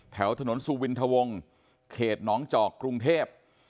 แถวถนนสุวินทวงเขตหนองจอกกรุงเทพ